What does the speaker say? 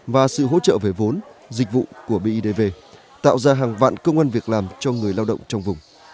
và sự hỗ trợ về vốn dịch vụ của bidv tạo ra hàng vạn công an việc làm cho người lao động trong vùng